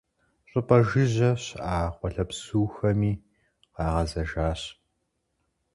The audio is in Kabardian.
ЩӀыпӀэ жыжьэ щыӀа къуалэбзухэми къагъэзэжащ.